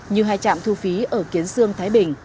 như hai trạm thu phí ở kiến sương thái bình